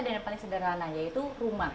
yang paling sederhana yaitu rumah